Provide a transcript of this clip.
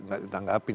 gak di tanggapin